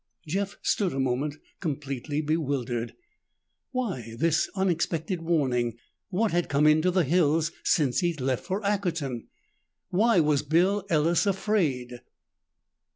Jeff stood a moment, completely bewildered. Why this unexpected warning? What had come into the hills since he'd left for Ackerton? Why was Bill Ellis afraid?